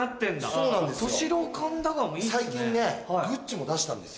最近グッチも出したんですよ。